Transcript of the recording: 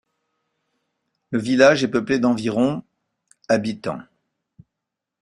Le village est peuplé d’environ habitants.